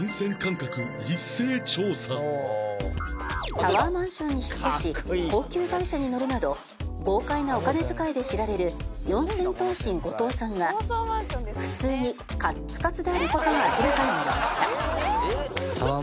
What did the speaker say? タワーマンションに引っ越し高級外車に乗るなど豪快なお金遣いで知られる四千頭身後藤さんが普通にカッツカツである事が明らかになりました。